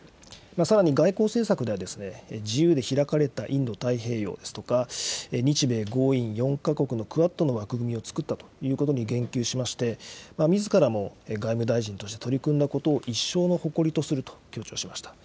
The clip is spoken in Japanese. さらに、外交政策ではですね、自由で開かれたインド太平洋ですとか、日米豪印４か国のクアッドの枠組みを作ったということに言及しまして、みずからも外務大臣として取り組んだことを一生の誇りとすると強調しました。